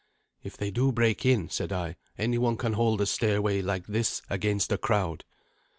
"If they do break in," said I, "any one can hold a stairway like this against a crowd."